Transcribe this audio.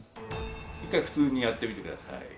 一回普通にやってみてください。